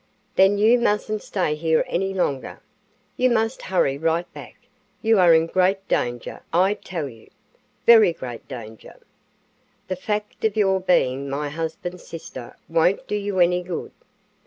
"Then you mustn't stay here any longer. You must hurry right back. You are in great danger, I tell you, very great danger. The fact of your being my husband's sister won't do you any good.